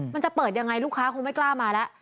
มันจะเปิดยังไงลูกค้าคงไม่กล้ามาแล้ว